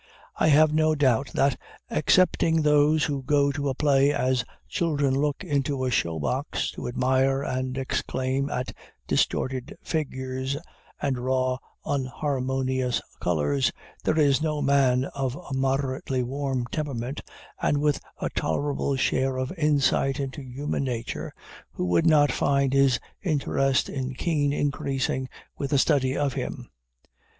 I have no doubt, that, excepting those who go to a play as children look into a show box, to admire and exclaim at distorted figures, and raw, unharmonious colors, there is no man of a moderately warm temperament, and with a tolerable share of insight into human nature, who would not find his interest in Kean increasing with a study of him.